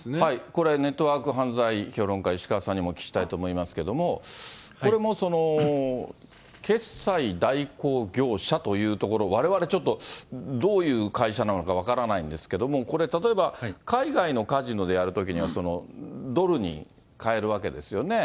これ、ネットワーク犯罪評論家、石川さんにもお聞きしたいと思いますけど、これもその、決済代行業者というところ、われわれちょっと、どういう会社なのか分からないんですけど、これ、例えば海外のカジノでやるときには、ドルに換えるわけですよね。